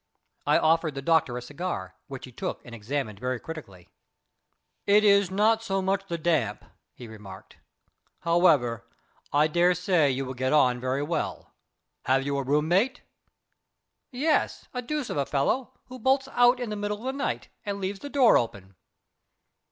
I offered the doctor a cigar, which he took and examined very critically. "It is not so much the damp," he remarked. "However, I dare say you will get on very well. Have you a room mate?" "Yes; a deuce of a fellow, who bolts out in the middle of the night, and leaves the door open."